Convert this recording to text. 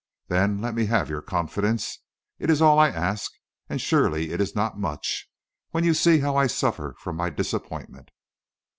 Then let me have your confidence; it is all I ask, and surely it is not much, when you see how I suffer from my disappointment."